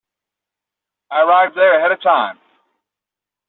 I arrived there ahead of time.